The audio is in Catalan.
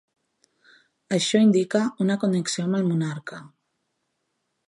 Això indica una connexió amb el monarca.